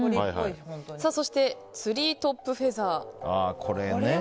そしてツリートップフェザー。